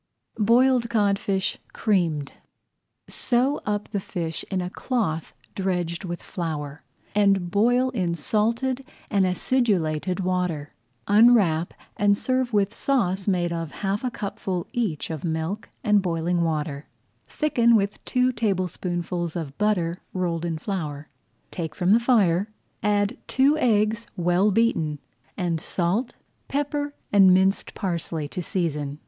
BOILED CODFISH CREAMED Sew up the fish in a cloth dredged with flour, and boil in salted and acidulated water. Unwrap, and serve with sauce made of half a cupful each of milk and boiling water, thickened with two tablespoonfuls of butter rolled in flour. Take from the fire, add two eggs well beaten, and salt, pepper, and minced parsley to season.